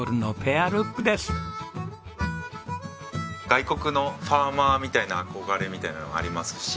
外国のファーマーみたいな憧れみたいなのもありますし。